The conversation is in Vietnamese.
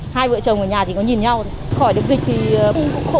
hai vợ chồng ở nhà thì có nhìn nhau khỏi được dịch thì cũng khổ đỡ khổ hơn